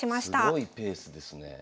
すごいペースですねえ。